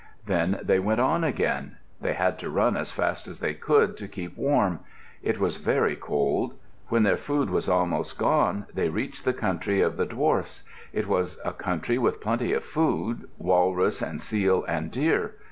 Then they went on again. They had to run as fast as they could to keep warm. It was very cold. When their food was almost gone, they reached the country of the dwarfs. It was a country with plenty of food, walrus and seal and deer.